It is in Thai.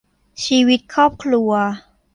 ชีวิตครอบครัว